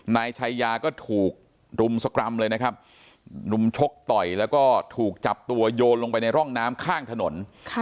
นายชายาก็ถูกรุมสกรรมเลยนะครับรุมชกต่อยแล้วก็ถูกจับตัวโยนลงไปในร่องน้ำข้างถนน